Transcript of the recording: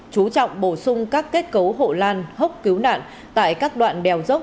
chú trọng bổ sung các kết cấu hộ lan hốc cứu nạn tại các đoạn đèo dốc